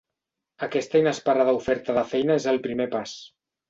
Aquesta inesperada oferta de feina és el primer pas.